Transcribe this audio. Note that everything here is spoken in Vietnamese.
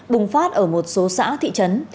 bùng phát ở một số xã thị trấn